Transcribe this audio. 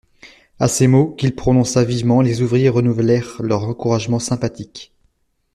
A ces mots, qu'il prononça vivement, les ouvriers renouvelèrent leurs encouragements sympathiques.